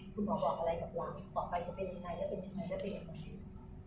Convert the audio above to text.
หมอบอกอะไรกับเราต่อไปจะเป็นยังไงแล้วเป็นยังไงแล้วเป็นยังไงบ้างคะ